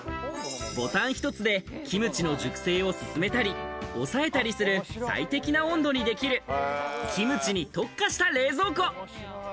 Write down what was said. ボタン１つでキムチの熟成を進めたり抑えたりする最適な温度にできる、キムチに特化した冷蔵庫。